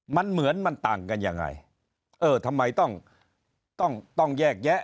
มันเหมือนมันต่างกันยังไงเออทำไมต้องต้องแยกแยะ